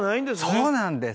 そうなんです。